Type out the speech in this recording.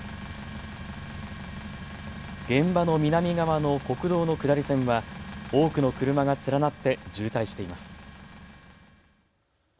現場の南側の国道の下り線は多くの車が連なって渋滞しています。